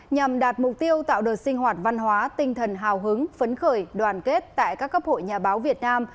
nhằm đạt mục tiêu tạo đợt sinh hoạt văn hóa tinh thần hào hứng phấn khởi đoàn kết tại các cấp hội nhà báo việt nam